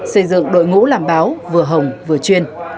xây dựng đội ngũ làm báo vừa hồng vừa chuyên